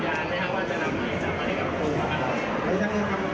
ยังไม่มีฝ่ายกล้องในมือครับแต่ว่าก็บอกว่ายังไม่มีฝ่ายกล้อง